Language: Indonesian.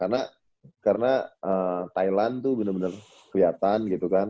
iya karena thailand tuh bener bener kelihatan gitu kan